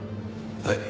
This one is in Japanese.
はい。